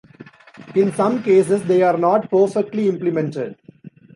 In some cases they are not perfectly implemented.